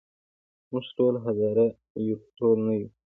موږ ټول هزاره یو ډول نه یوو.